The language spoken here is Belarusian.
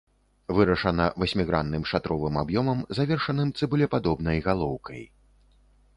Вырашана васьмігранным шатровым аб'ёмам, завершаным цыбулепадобнай галоўкай.